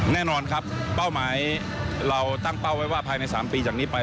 แน่นอนครับเป้าหมายเราตั้งเป้าไว้ว่าภายใน๓ปีจากนี้ไป